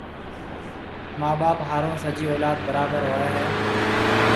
مان ٻاپ هارون سجِي اولاد برابر هوئي هيَ۔